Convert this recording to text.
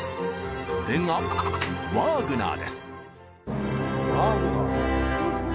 それがワーグナー。